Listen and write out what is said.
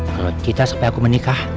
kalau kita sampai aku menikah